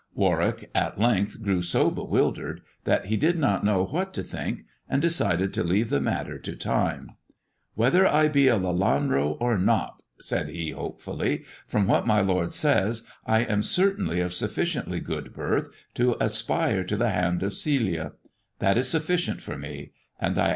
Warwick at length grew so bewildered that he did not know what to think, and decided to leave the matter to time. "Whether I be a Lelanro or not," said he hopefully, "from what my lord says, I am certainly of sufficiently good birth to aspire to the hand of Celia.